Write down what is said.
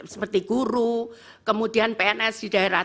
seperti guru kemudian pns di daerah